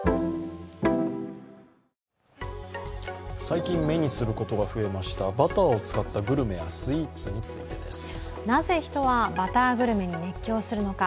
最近、目にすることが増えましたバターを使ったグルメやスイーツについてです。なぜ、人はバターグルメに熱狂するのか。